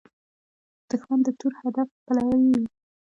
دښمن د تور هدف پلوي وي